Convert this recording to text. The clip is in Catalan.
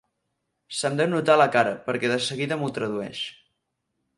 Se'm deu notar a la cara, perquè de seguida m'ho tradueix.